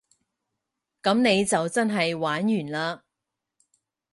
噉你就真係玩完嘞